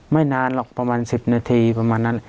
ไม่นานหรอกประมาณ๑๐นาทีประมาณนั้น